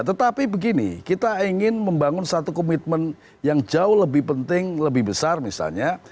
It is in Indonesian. tetapi begini kita ingin membangun satu komitmen yang jauh lebih penting lebih besar misalnya